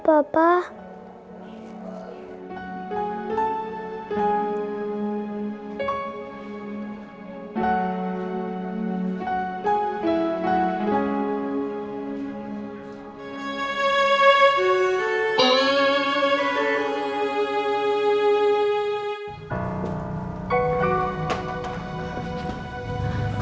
bapak mak ini pamit